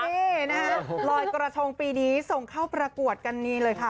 นี่นะคะลอยกระทงปีนี้ส่งเข้าประกวดกันนี่เลยค่ะ